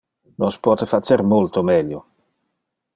Nos pote facer multo melio.